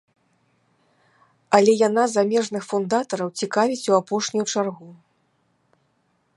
Але яна замежных фундатараў цікавіць у апошнюю чаргу.